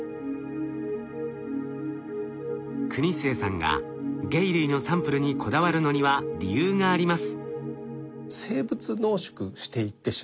国末さんが鯨類のサンプルにこだわるのには理由があります。